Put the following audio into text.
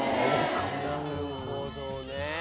なるほどね。